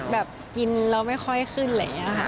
แบบกินแล้วไม่ค่อยขึ้นอะไรอย่างนี้ค่ะ